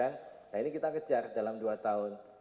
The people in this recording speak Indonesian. nah ini kita kejar dalam dua tahun